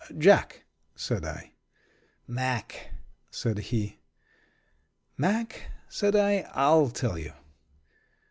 "Jack," said I. "Mack," said he. "Mack," said I, "I'll tell you."